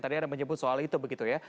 tadi ada menyebut soal itu begitu ya